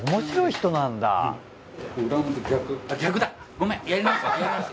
ごめん。